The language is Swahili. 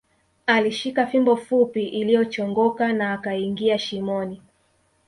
Alishika fimbo fupi iliyochongoka na akaingia shimoni